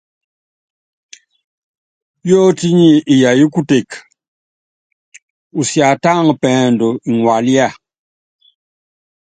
Yótí ápiana iyayɔ́ kuteke, usiatáŋa pɛɛndú iŋalía.